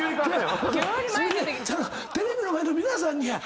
テレビの前の皆さんにや。